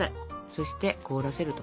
そして凍らせると。